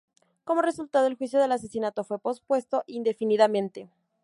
Como resultado, el juicio por el asesinato fue pospuesto indefinidamente.